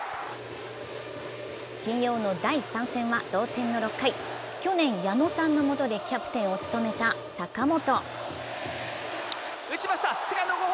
金曜の第３戦は同点の６回、去年矢野さんのもとでキャプテンを務めた坂本。